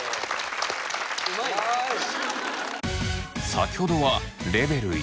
先ほどはレベル４。